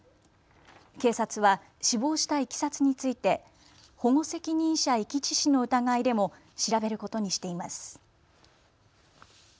警察は死亡したいきさつについて保護責任者遺棄致死の疑いでも調べることにしています。